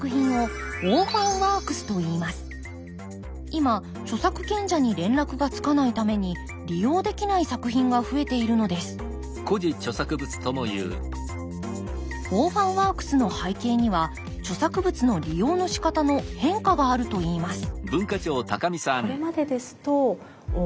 今著作権者に連絡がつかないために利用できない作品が増えているのですオーファンワークスの背景には著作物の利用のしかたの変化があるといいます